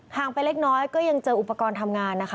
งไปเล็กน้อยก็ยังเจออุปกรณ์ทำงานนะคะ